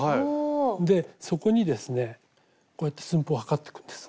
でそこにですねこうやって寸法測ってくんです。